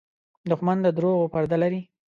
دښمن د دروغو پرده لري